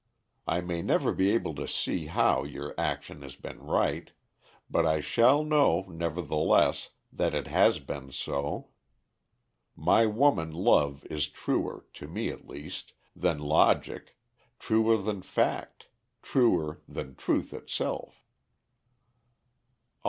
I may never be able to see how your action has been right, but I shall know, nevertheless, that it has been so. My woman love is truer, to me at least, than logic truer than fact truer than truth itself."